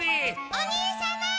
お兄様！